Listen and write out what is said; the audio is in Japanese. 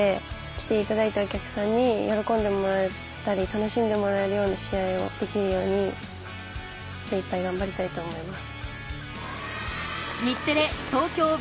来ていただいたお客さんに喜んでもらえたり楽しんでもらえるような試合をできるように精いっぱい頑張りたいと思います。